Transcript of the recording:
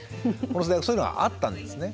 この時代そういうのがあったんですね。